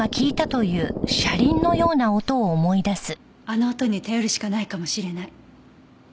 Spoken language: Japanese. あの音に頼るしかないかもしれない。